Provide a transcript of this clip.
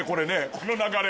この流れ。